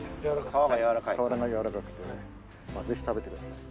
皮がやわらかくてぜひ食べてください。